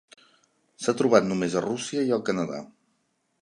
S'ha trobat només a Rússia i al Canadà.